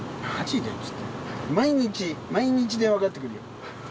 毎日、毎日、電話かかってくるよ。